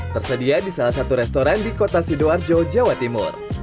tersedia di salah satu restoran di kota sidoarjo jawa timur